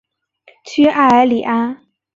屈埃尔里安。